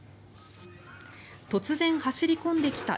突然、走り込んできた